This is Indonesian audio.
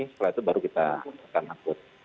setelah itu baru kita akan akut